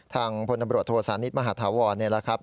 ทางพลตำรวจโศนิษฐ์มหาธวรเนี่ยแหละครับ